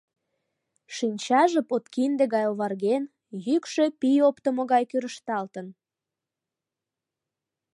Шинчаже подкинде гай оварген, йӱкшӧ пий оптымо гай кӱрышталтын.